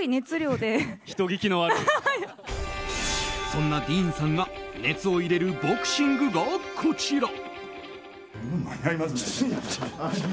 そんなディーンさんが熱を入れるボクシングがこちら。